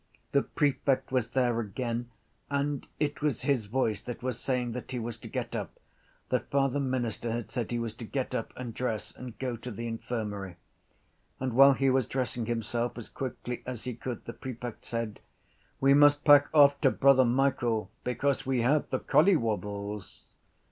The prefect was there again and it was his voice that was saying that he was to get up, that Father Minister had said he was to get up and dress and go to the infirmary. And while he was dressing himself as quickly as he could the prefect said: —We must pack off to Brother Michael because we have the collywobbles!